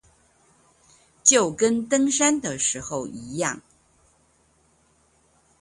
就跟登山的時候一樣